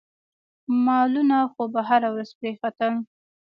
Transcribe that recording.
مالونه خو به هره ورځ پرې ختل.